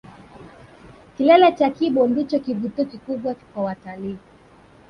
Kilele cha kibo ndicho kivutio kikubwa kwa watalii